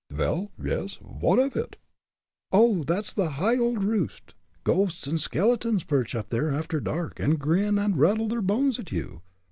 "Vel, yes; vot off it?" "Oh! that's a high old roost. Ghosts and skeletons perch up there after dark and grin and rattle their bones at you.